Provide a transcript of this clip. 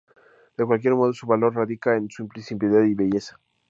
De cualquier modo su valor radica en su simplicidad y belleza.